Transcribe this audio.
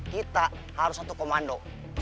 kita harus satu komando